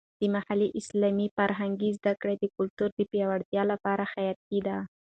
د محلي اسلامي فرهنګ زده کړه د کلتور د پیاوړتیا لپاره حیاتي ده.